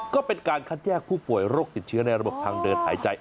ก็เป็นการคัดแยกผู้ป่วยโรคติดเชื้อในระบบทางเดินหายใจ